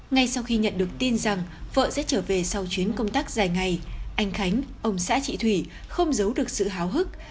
ngay sau khi nhận được tin rằng vợ sẽ trở về sau chuyến công tác dài ngày anh khánh ông xã chị thủy không giấu được sự háo hức